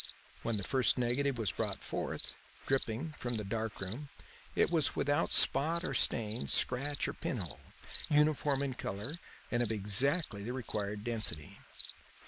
When the first negative was brought forth, dripping, from the dark room, it was without spot or stain, scratch or pin hole; uniform in colour and of exactly the required density.